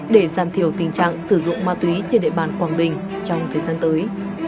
để giảm thiểu tình trạng sử dụng ma túy trên địa bàn quảng bình trong thời gian tới